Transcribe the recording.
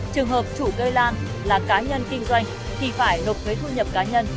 trường hợp chủ gây lan là cá nhân kinh doanh thì phải nộp thuế thu nhập cá nhân